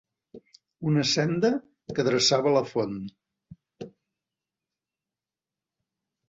Una senda que dreçava a la font.